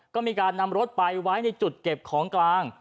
ก็มีการนำรถไปไว้ในจุดเก็บของกลาง